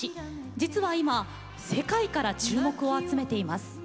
実はいま世界から注目を集めています。